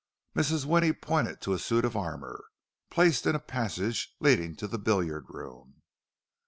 Mrs. Winnie pointed to a suit of armour, placed in a passage leading to the billiard room.